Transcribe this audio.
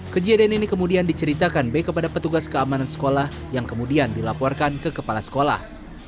kejadian ini kemudian diceritakan b kepada petugas keamanan sekolah yang kemudian dilaporkan ke kepala sekolah